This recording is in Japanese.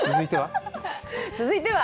続いては？